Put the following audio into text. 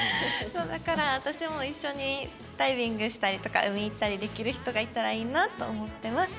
だから私も一緒にダイビングしたりとか海行ったりできる人がいたらいいなと思ってます。